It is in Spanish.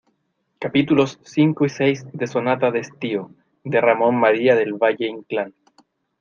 capítulos cinco y seis de Sonata de estío, de Ramón María del Valle-Inclán.